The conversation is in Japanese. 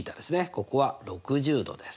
ここは６０°です。